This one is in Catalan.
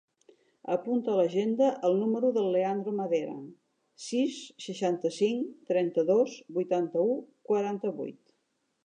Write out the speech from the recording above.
Apunta a l'agenda el número del Leandro Madera: sis, seixanta-cinc, trenta-dos, vuitanta-u, quaranta-vuit.